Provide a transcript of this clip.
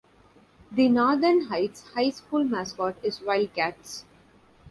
The Northern Heights High School mascot is Wildcats.